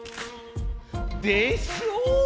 でしょう？